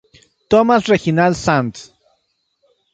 Thomas Reginald St.